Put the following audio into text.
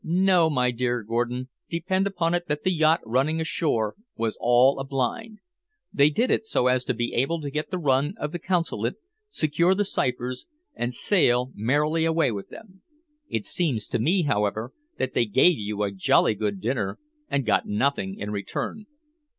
No, my dear Gordon, depend upon it that the yacht running ashore was all a blind. They did it so as to be able to get the run of the Consulate, secure the ciphers, and sail merrily away with them. It seems to me, however, that they gave you a jolly good dinner and got nothing in return."